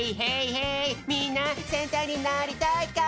みんなセンターになりたいか？